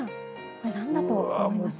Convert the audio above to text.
これなんだと思いますか。